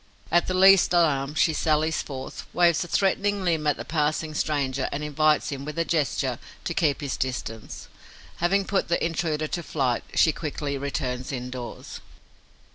At the least alarm, she sallies forth, waves a threatening limb at the passing stranger and invites him, with a gesture, to keep his distance. Having put the intruder to flight, she quickly returns indoors.